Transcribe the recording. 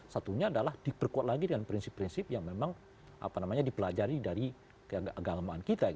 satunya adalah diperkuat lagi dengan prinsip prinsip yang memang dipelajari dari keagamaan kita